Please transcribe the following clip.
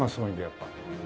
やっぱ。